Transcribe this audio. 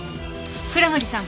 倉森さん